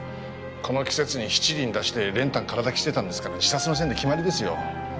この季節に七輪出して練炭空だきしてたんですから自殺の線で決まりですよ。